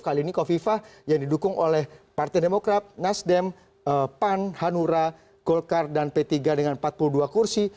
kali ini kofifah yang didukung oleh partai demokrat nasdem pan hanura golkar dan p tiga dengan empat puluh dua kursi